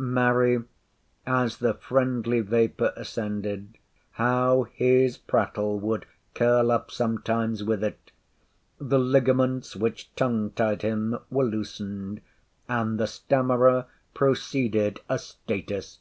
Marry—as the friendly vapour ascended, how his prattle would curl up sometimes with it! the ligaments, which tongue tied him, were loosened, and the stammerer proceeded a statist!